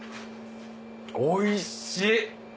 おいしい！